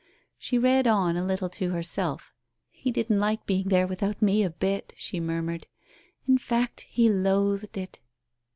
She read on a little to herself. "He didn't like being there without me a bit," she murmured. "In fact, he loathed it."